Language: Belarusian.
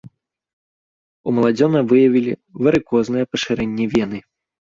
У маладзёна выявілі варыкознае пашырэнне вены.